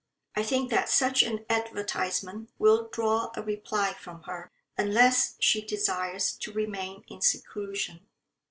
I think that such an advertisement will draw a reply from her, unless she desires to remain in seclusion."